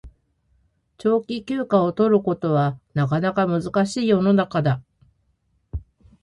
長期休暇を取ることはなかなか難しい世の中だ